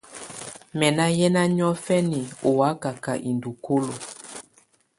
Mɛ̀ nà yɛna niɔ̀fɛna ɔ́ wakaka idukulu.